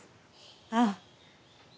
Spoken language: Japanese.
ああ。